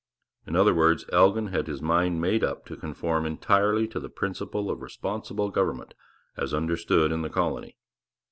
In other words, Elgin had his mind made up to conform entirely to the principle of responsible government as understood in the colony.